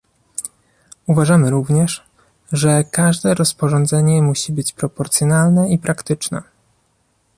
Uważamy również, że każde rozporządzenie musi być proporcjonalne i praktyczne